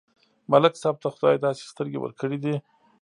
ملک صاحب ته خدای داسې سترګې ورکړې دي،